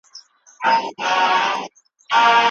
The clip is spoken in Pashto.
انا غوښتل چې د ماشوم په زړه کې مینه پیدا کړي.